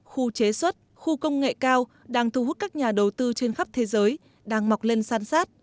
khu chế xuất khu công nghệ cao đang thu hút các nhà đầu tư trên khắp thế giới đang mọc lên san sát